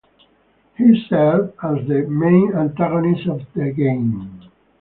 He serves as the main antagonist of the game.